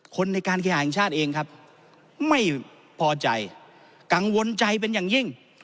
คนในการเคหาแห่งชาติเองครับไม่พอใจกังวลใจเป็นอย่างยิ่ง